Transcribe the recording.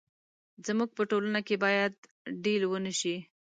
زموږ په ټولنه کې باید ډيل ونه شي.